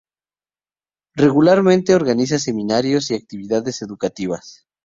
Regularmente organiza seminarios y actividades educativas.